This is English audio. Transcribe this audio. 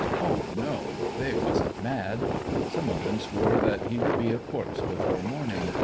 Oh no, they wasn't mad! Some of them swore that he would be a corpse before morning.